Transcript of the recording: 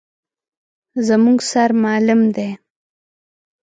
_زموږ سر معلم دی.